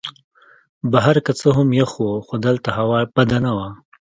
بهر که څه هم یخ وو خو دلته هوا بده نه وه.